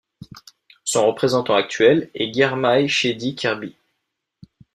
Son représentant actuel est Girmay Shedi Kirbit.